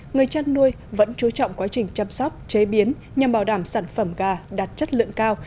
người chăn nuôi vẫn chú trọng quá trình chăm sóc chế biến nhằm bảo đảm sản phẩm gà đạt chất lượng cao